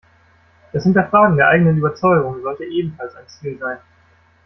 Das Hinterfragen der eigenen Überzeugungen sollte ebenfalls ein Ziel sein.